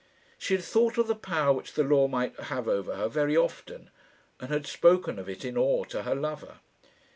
She had thought of the power which the law might have over her very often, and had spoken of it in awe to her lover.